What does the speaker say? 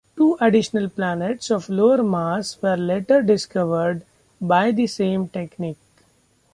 Two additional planets of lower mass were later discovered by the same technique.